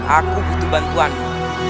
aku butuh bantuanmu